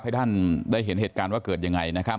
ให้ท่านได้เห็นเหตุการณ์ว่าเกิดยังไงนะครับ